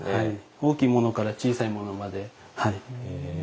大きいものから小さいものまではい。